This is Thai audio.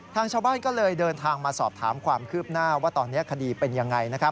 ทางชาวบ้านก็เลยเดินทางมาสอบถามความคืบหน้าว่าตอนนี้คดีเป็นยังไง